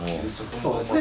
そうですね